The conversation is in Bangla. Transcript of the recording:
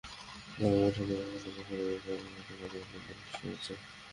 দাম ওঠানামা করলেও ব্যবসায়ীরা বলছেন, আগের মতো বাজারে লেনদেন বেশি হচ্ছে না।